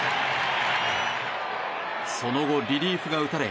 その後、リリーフが打たれ